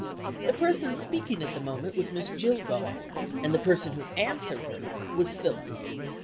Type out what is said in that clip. The person speaking at the moment was Miss Jillgall; and the person who answered her was Philip.